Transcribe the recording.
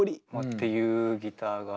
っていうギターが。